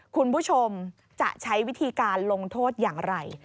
คุณผู้ชมจะใช้วิธีการลงโทษอย่างไร